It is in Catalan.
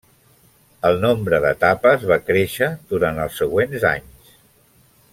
El nombre d'etapes va créixer durant els següents anys.